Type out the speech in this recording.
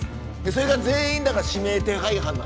それが全員だから指名手配犯なんですよ。